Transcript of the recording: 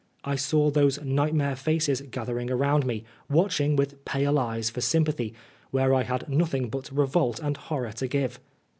I saw those nightmare faces gathering around me, watching with pale eyes for sympathy, where I had nothing but revolt and horror to give.